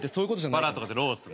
バラとかじゃロースの。